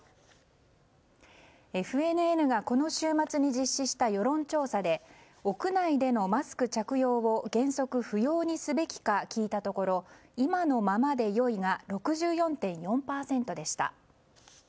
ＦＮＮがこの週末に実施した世論調査で屋内でのマスク着用を原則不要にすべきか聞いたところ今のままでよいが６４．４％でした。